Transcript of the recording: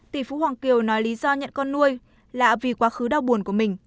tỷ phú hoàng kiều nói lý do nhận con nuôi lạ vì quá khứ đau buồn của mình